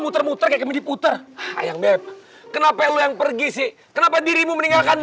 muter muter kemudi puter ayam beb kenapa yang pergi sih kenapa dirimu meninggalkan